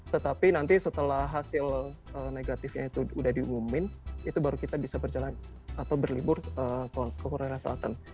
tetapi nanti setelah hasil negatifnya itu udah diumumin itu baru kita bisa berjalan atau berlibur ke korea selatan